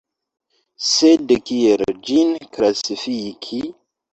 Sed kiel ĝin klasifiki?